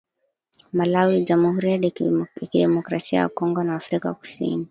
Malawi, jamuhuri ya kidemokrasia ya Kongo na Afrika kusini